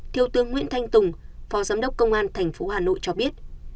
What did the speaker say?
thiếu tướng nguyễn thanh tùng phó giám đốc công an tp hà nội cho biết